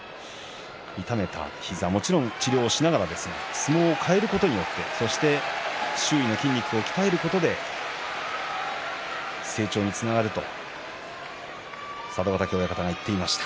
痛めた膝はもちろん治療しながらですけれど相撲を変えることによってそして周囲の筋肉を鍛えることで成長につながると佐渡ヶ嶽親方が言っていました。